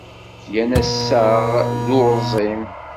Gan assaɣ d urẓim.